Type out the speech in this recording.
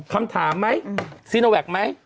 คำถามไหมซีโนแวคไหม